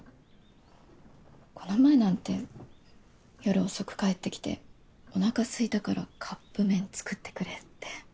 この前なんて夜遅く帰って来てお腹空いたからカップ麺作ってくれって。